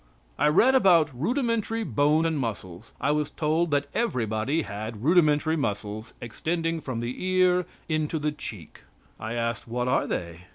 I read about rudimentary bones and muscles. I was told that everybody had rudimentary muscles extending from the ear into the cheek. I asked: "What are they?"